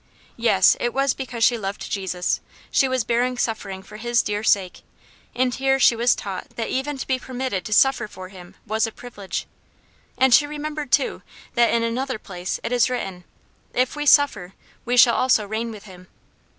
Yes, it was because she loved Jesus. She was bearing suffering for his dear sake, and here she was taught that even to be permitted to suffer for him, was a privilege. And she remembered, too, that in another place it is written: "If we suffer, we shall also reign with him."